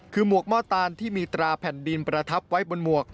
คือหมวกหม้อตานที่มีตราแผ่นดินประทับไว้บนหมวก